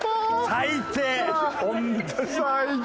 最低。